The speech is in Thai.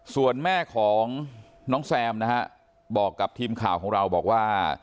ส่วนแม่ของน้องแซมนะฮะบอกกับทีมข่าวของเราบอกว่า